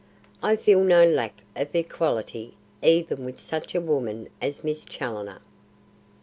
I feel no lack of equality even with such a woman as Miss Challoner."